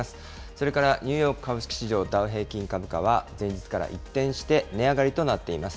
それからニューヨーク株式市場、ダウ平均株価は前日から一転して値上がりとなっています。